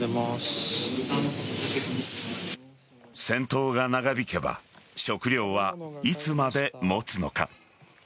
戦闘が長引けば食料はいつまでもつのか。